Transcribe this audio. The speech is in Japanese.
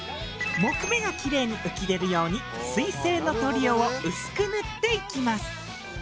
木目がキレイに浮き出るように水性の塗料を薄く塗っていきます。